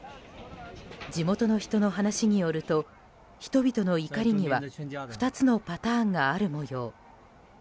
地元の人の話によると人々の怒りには２つのパターンがある模様。